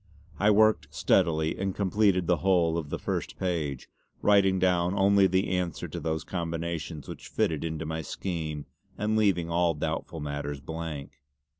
I worked steadily and completed the whole of the first page, writing down only the answer to those combinations which fitted into my scheme, and leaving all doubtful matters blank.